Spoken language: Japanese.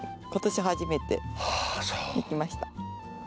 今年初めてできました。